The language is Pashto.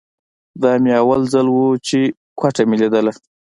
دا مې اول ځل و چې کوټه مې ليدله.